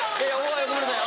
ごめんなさい